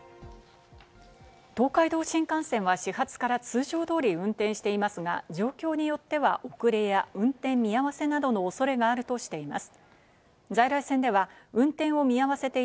東海道新幹線は始発から通常通り運転していますが、状況によっては遅れや運転見合わせなどのおそれがあるとしています。